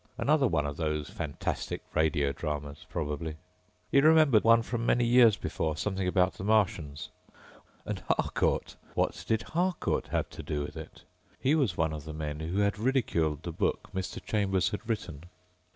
Another one of those fantastic radio dramas, probably. He remembered one from many years before, something about the Martians. And Harcourt! What did Harcourt have to do with it? He was one of the men who had ridiculed the book Mr. Chambers had written.